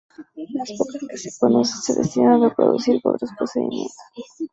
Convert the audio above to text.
Las pocas que se conocen se destinan a reproducir por otros procedimientos.